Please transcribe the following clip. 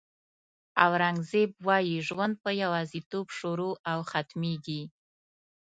اورنګزېب وایي ژوند په یوازېتوب شروع او ختمېږي.